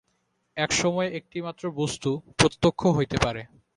এক সময়ে একটি মাত্র বস্তু প্রত্যক্ষ হইতে পারে।